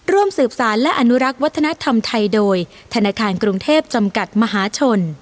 ร่วมสืบสารและอนุรักษ์วัฒนธรรมไทยโดยธนาคารกรุงเทพจำกัดมหาชน